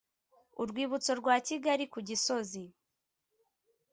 urwibutso rwa kigali ku gisozi